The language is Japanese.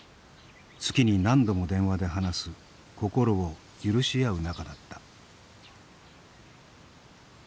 月に何度も電話で話す心を許し合う仲だった。